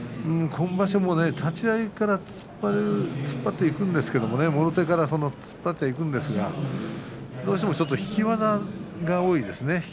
今場所も立ち合いから突っ張っていくんですけどもろ手から突っ張っていくんですけれどどうしても引き技が多いですね。